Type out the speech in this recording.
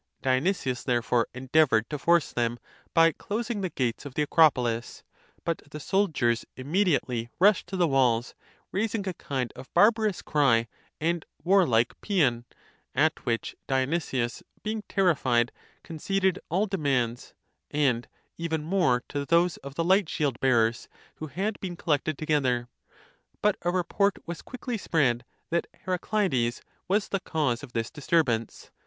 Dionysius therefore endeavoured to force them, by closing the gates of the Acropolis; but the soldiers immediately rushed to the walls, rdising a kind of barbarous cry and war like pean; at which Dionysius being terrified, conceded all demands, and even more to those of the light shield bearers, who had been collected together. But a report was quickly spread, that Heracleides was the cause of this disturbance.